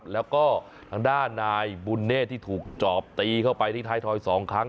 แล้วก็ทางด้านนายบุญเนธที่ถูกจอบตีเข้าไปที่ท้ายทอย๒ครั้ง